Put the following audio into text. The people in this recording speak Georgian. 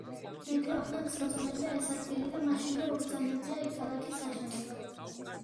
მეფე ვახტანგს მოწონებია ეს ადგილი და მაშინვე უბრძანებია იქ ქალაქის აშენება.